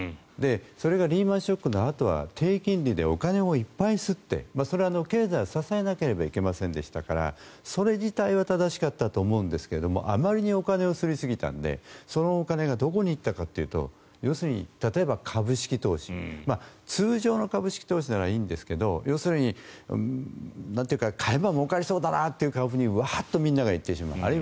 それがリーマン・ショックのあとは低金利でお金をいっぱい刷ってそれは経済を支えなければいけませんでしたからお金をすりすぎてそれは正しかったんですがそのお金がどこに行ったかというと例えば株式投資通常の株式投資ならいいんですが要するに買えばもうかりそうだなという株にワーッとみんなが行ってしまう。